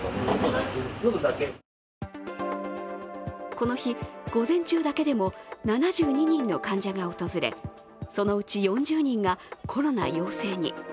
この日、午前中だけでも７２人の患者が訪れそのうち４０人がコロナ陽性に。